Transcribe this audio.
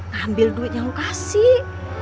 ngambil duit yang lu kasih